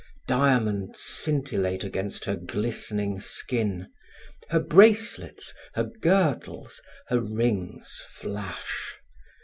Diamonds scintillate against her glistening skin. Her bracelets, her girdles, her rings flash.